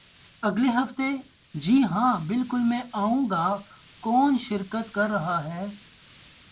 اگلے ہفتے؟ جی ہاں، بالکل میں آئوں گا. کون شرکت کر رہا ہے؟